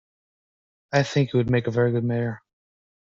I think he would make a very good mayor..